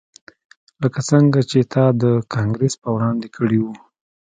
لکه څنګه چې تا د کانګرس په وړاندې کړي وو